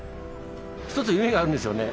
一つ夢があるんですよね。